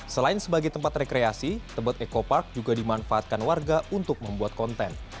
selain sebagai tempat rekreasi tebet eco park juga dimanfaatkan warga untuk membuat konten